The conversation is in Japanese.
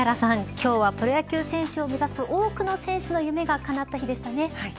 今日はプロ野球選手を目指す多くの選手の夢がかなった日でしたね。